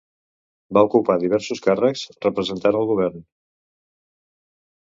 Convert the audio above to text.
Va ocupar diversos càrrecs representant al govern.